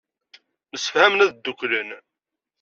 Msefhamen ad dduklen.